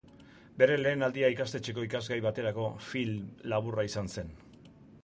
Bere lehen aldia ikastetxeko ikasgai baterako film laburra izan zen.